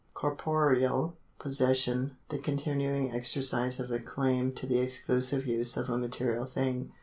Corporeal possession — the continuing exercise of a claim to the exclusive use of a material thing.